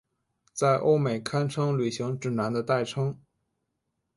在欧美堪称旅行指南的代称。